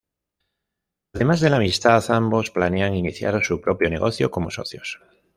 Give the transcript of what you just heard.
Además de la amistad, ambos planean iniciar su propio negocio como socios.